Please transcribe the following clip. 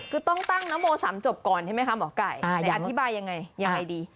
คือต้องตั้งนโม๓จบก่อนใช่ไหมคะหมอไก่อธิบายยังไงยังไงดี